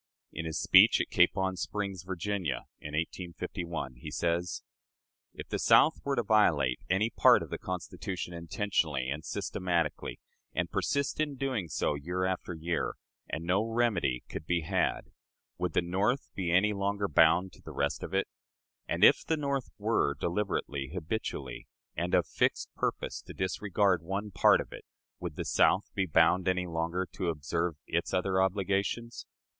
In his speech at Capon Springs, Virginia, in 1851, he says: "If the South were to violate any part of the Constitution intentionally and systematically, and persist in so doing year after year, and no remedy could be had, would the North be any longer bound by the rest of it? And if the North were, deliberately, habitually, and of fixed purpose, to disregard one part of it, would the South be bound any longer to observe its other obligations?...